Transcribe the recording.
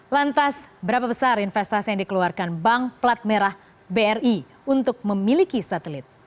lantas berapa besar investasi yang dikeluarkan bank plat merah bri untuk memiliki satelit